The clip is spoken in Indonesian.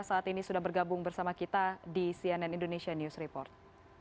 saat ini sudah bergabung bersama kita di cnn indonesia news report